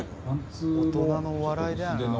「大人のお笑いだよな」